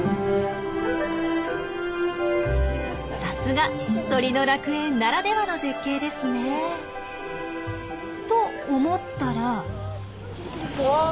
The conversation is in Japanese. さすが鳥の楽園ならではの絶景ですね。と思ったら！